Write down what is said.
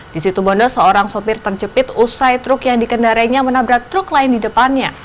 di situ bondo seorang sopir terjepit usai truk yang dikendarainya menabrak truk lain di depannya